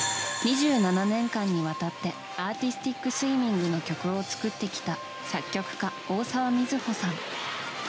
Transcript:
２７年間にわたってアーティスティックスイミングの曲を作ってきた作曲家・大沢みずほさん。